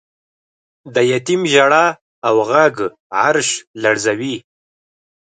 د یتیم ژړا او غږ عرش لړزوی.